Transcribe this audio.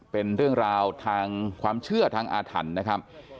เป็นเรื่องราวทางความเชื่อทางอาถรรพ์นะครับ